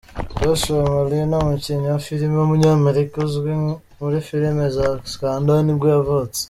Joshua Malina, umukinnyi wa filime w’umunyamerika uzwi muri filime za Scandal nibwo yavutse.